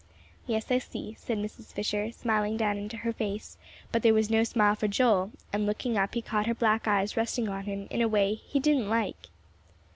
"Yes, I see," said Mrs. Fisher, smiling down into her face, but there was no smile for Joel, and looking up he caught her black eyes resting on him in a way he didn't like.